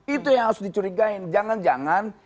itu yang harus dicurigain jangan jangan